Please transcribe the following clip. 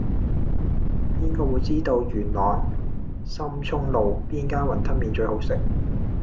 邊個會知道元朗深涌路邊間雲吞麵最好食